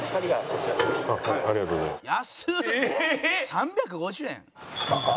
３５０円！？